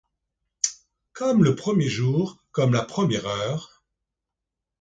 Comme le premier jour, comme la première heure